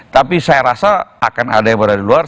tapi saya rasa akan ada yang berada di luar